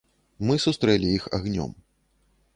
Мы сустрэлі іх агнём.